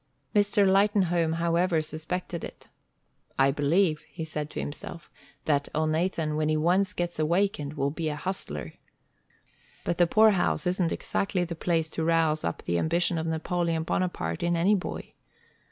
Mr. Lightenhome, however, suspected it. "I believe," he said to himself, "that Elnathan, when he once gets awakened, will be a hustler. But the poorhouse isn't exactly the place to rouse up the ambition of Napoleon Bonaparte in any boy.